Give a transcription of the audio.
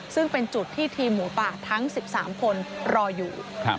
ซึ่งเป็นจุดที่ทีมหมูป่าทั้ง๑๓คนรออยู่